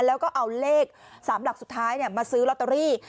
แล้วก็เอาเลข๓หลักสุดท้ายมาซื้อลอตเตอรี่